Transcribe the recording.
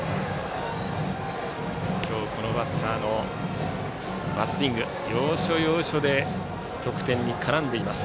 このバッターのバッティング要所要所で得点に絡んでいます。